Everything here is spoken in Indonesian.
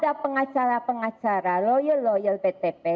kalau ada pengacara pengacara loyal loyal btp